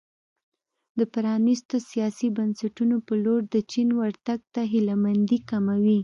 د پرانیستو سیاسي بنسټونو په لور د چین ورتګ ته هیله مندي کموي.